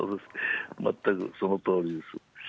全くそのとおりです。